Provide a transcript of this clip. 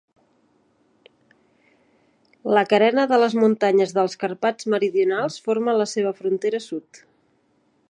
La carena de les muntanyes dels Carpats meridionals forma la seva frontera sud.